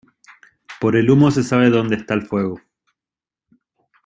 Por el humo se sabe donde está el fuego.